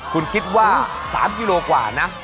คุณคิดว่า๓กิโลกว่านะ